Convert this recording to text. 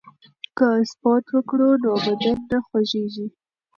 که سپورت وکړو نو بدن نه خوږیږي.